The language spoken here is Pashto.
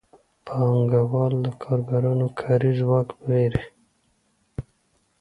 پانګوال د کارګرانو کاري ځواک پېري